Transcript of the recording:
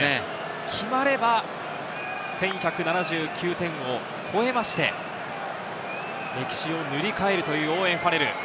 決まれば１１７９点を越えまして、歴史を塗り替えるというオーウェン・ファレル。